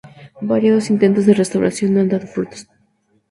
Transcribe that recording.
Variados intentos de restauración no han dado frutos.